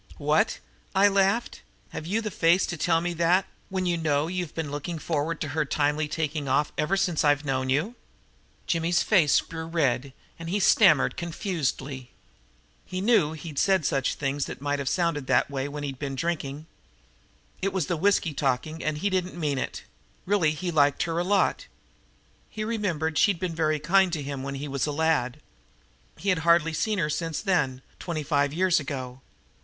"What!" I laughed. "Have you the face to tell me that, when you know you've been looking forward to her timely taking off ever since I've known you?" Jimmy's face grew red and he stammered confusedly. He knew he'd said things which might have sounded that way when he'd been drinking. It was whiskey talking and he didn't mean it. Really he liked her a lot. He remembered she'd been very kind to him when he was a lad. Had hardly seen her since then twenty five years ago.